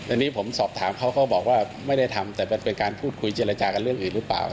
อันนี้ผมสอบถามเขาก็บอกว่าไม่ได้ทำแต่มันเป็นการพูดคุยเจรจากันเรื่องอื่นหรือเปล่า